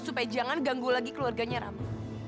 supaya jangan ganggu lagi keluarganya rama